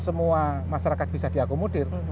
semua masyarakat bisa diakomodir